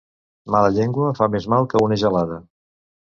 Mala llengua fa més mal que una gelada.